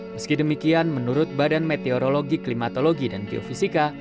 meski demikian menurut badan meteorologi klimatologi dan geofisika